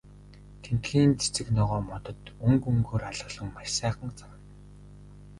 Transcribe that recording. Тэндхийн цэцэг ногоо, модод өнгө өнгөөр алаглан маш сайхан санагдана.